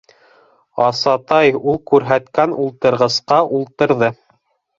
Асатай ул күрһәткән ултырғысҡа ултырҙы.